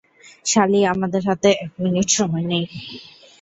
সালি, আমাদের হাতে এক মিনিট সময় নেই!